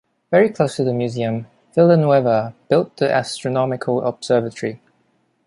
Very close to the museum, Villanueva built the Astronomical Observatory.